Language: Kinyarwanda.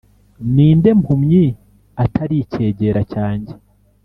Ni nde mpumyi atari icyegera cyanjye ?